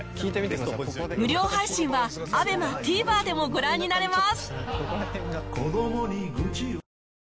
無料配信は ＡＢＥＭＡＴＶｅｒ でもご覧になれます